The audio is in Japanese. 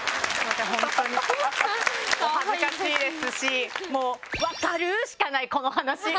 お恥ずかしいですし分かるしかない、この話。